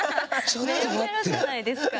メロメロじゃないですか。